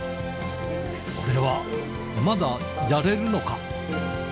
俺はまだやれるのか。